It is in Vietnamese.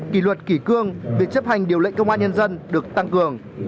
kỷ luật kỷ cương việc chấp hành điều lệnh công an nhân dân được tăng cường